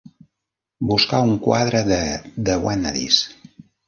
buscar un quadre de The Wannadies.